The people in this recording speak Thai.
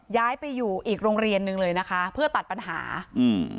ย้ายไปอยู่อีกโรงเรียนหนึ่งเลยนะคะเพื่อตัดปัญหาอืม